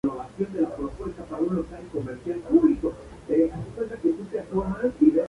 Es nativo del África tropical hasta Uganda y Angola.